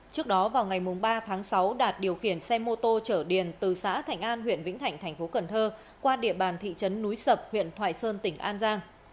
trước đó vào ngày ba tháng sáu đạt điều khiển xe mô tô chở điền từ xã thành an huyện vĩnh thạnh thành phố cần thơ qua địa bàn thị trấn núi sập huyện thoại sơn tỉnh an giang